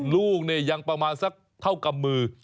ลูกยังประมาณสักเท่ากับมือ